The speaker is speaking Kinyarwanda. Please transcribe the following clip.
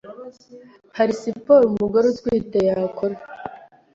Hari siporo umugore utwite yakora